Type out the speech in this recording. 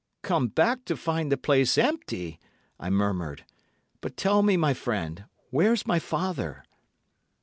"'Come back to find the place empty!' I murmured. 'But, tell me, my friend, where's my father?